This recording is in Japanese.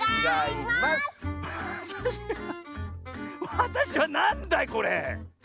わたしはなんだいこれ？